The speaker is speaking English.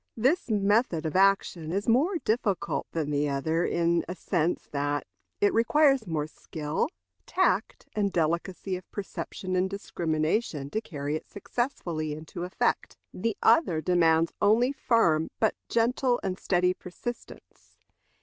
This method of action is more difficult than the other in the sense that it requires more skill, tact, and delicacy of perception and discrimination to carry it successfully into effect. The other demands only firm, but gentle and steady persistence.